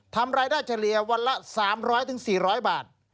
ทำรายได้เฉลี่ยวันละ๓๐๐๔๐๐บาท